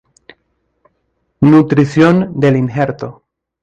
Nutrición del injerto.